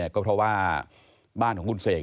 ก็เพราะว่าบ้านของคุณเสก